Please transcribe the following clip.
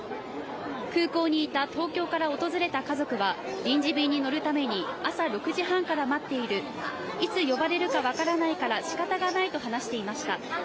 空港にいた東京から訪れた家族は臨時便に乗るために朝６時半から待っている、いつ呼ばれるか分からないからしかたがないと話していました。